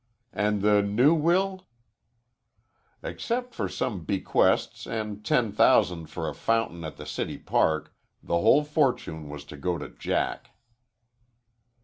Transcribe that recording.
"And the new will?" "Except for some bequests and ten thousand for a fountain at the city park, the whole fortune was to go to Jack."